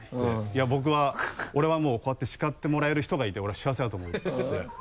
「いや僕は俺はもうこうやって叱ってもらえる人がいて俺は幸せだと思う」って言って。